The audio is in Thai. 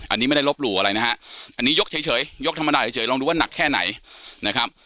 อันนี้ไม่ได้ลบหลู่อะไรนะฮะอันนี้ยกเฉยยกธรรมดาเฉยลองดูว่าหนักแค่ไหนนะครับ